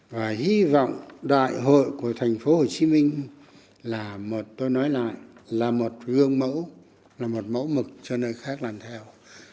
và hy vọng đại hội của tp hcm là một tôi nói lại là một gương mẫu là một mẫu mực cho nơi khác làm theo